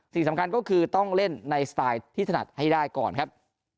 สิ่งสำคัญก็คือต้องเล่นในสไตล์ที่ถนัดให้ได้ก่อนครับ